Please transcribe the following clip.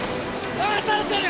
流されてる！